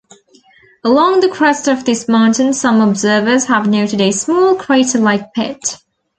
Along the crest of this mountain some observers have noted a small, crater-like pit.